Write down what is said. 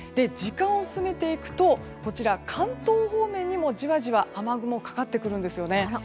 時間を進めていくと関東方面にもじわじわと雨雲がかかってくるんですよね。